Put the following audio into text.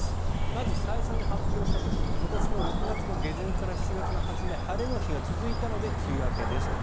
まず最初に発表した時今年の６月の下旬から７月の初め晴れの日が続いたので梅雨明けですと。